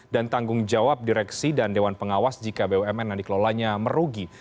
dan tanggung jawab direksi dan dewan pengawas jika bumn yang dikelolanya merugi